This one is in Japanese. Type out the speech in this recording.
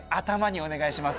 お願いします。